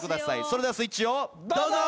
それではスイッチをどうぞ。